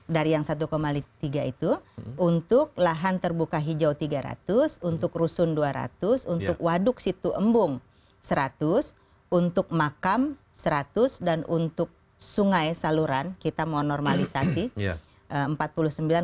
dari yang satu tiga itu untuk lahan terbuka hijau rp tiga ratus untuk rusun rp dua ratus untuk waduk situ embung rp seratus untuk makam rp seratus dan untuk sungai saluran kita mau normalisasi rp empat puluh sembilan sembilan